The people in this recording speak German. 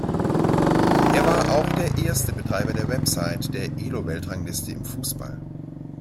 Er war auch der erste Betreiber der Website der Elo-Weltrangliste im Fußball.